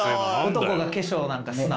「男が化粧なんかすな」。